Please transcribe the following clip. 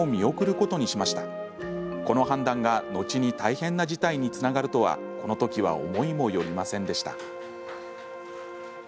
この判断が後に大変な事態につながるとはこのときは思いもよりませんでした。